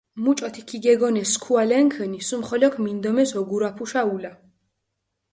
მუჭოთი ქიგეგონეს სქუალენქჷნი, სუმიხოლოქ მინდომეს ოგურაფუშა ულა.